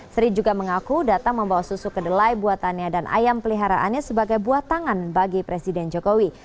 sri juga mengaku datang membawa susu kedelai buatannya dan ayam peliharaannya sebagai buatangan bagi presiden jokowi